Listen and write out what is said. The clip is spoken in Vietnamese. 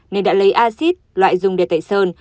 nên đã lấy acid loại dùng để tẩy sơn